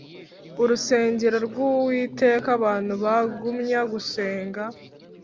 urusengero rw Uwiteka abantu bagumya gusenga